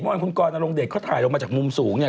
วันคุณกรณรงเดชเขาถ่ายลงมาจากมุมสูงเนี่ย